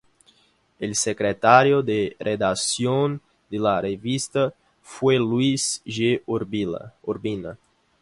El secretario de redacción de la revista fue Luis G. Urbina.